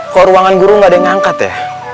koruangan guru enggak yang ngangkat ya